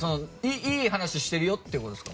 いい話してるよってことですか？